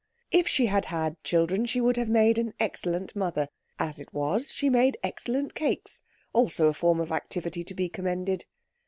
If she had had children she would have made an excellent mother; as it was she made excellent cakes also a form of activity to be commended.